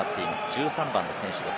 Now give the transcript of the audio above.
１３番の選手です。